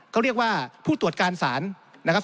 เขาเรียกว่าผู้ตรวจการศาลนะครับ